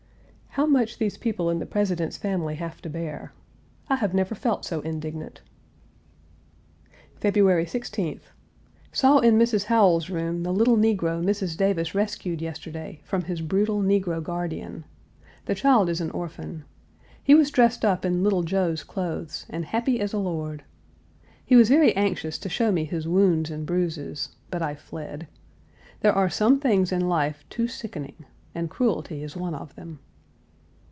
How much these people in the President's family have to bear! I have never felt so indignant. February 16th. Saw in Mrs. Howell's room the little negro Mrs. Davis rescued yesterday from his brutal negro guardian. The child is an orphan. He was dressed up in little Joe's clothes and happy as a lord. He was very anxious to show me his wounds and bruises, but I fled. There are some things in life too sickening, and cruelty is one of them.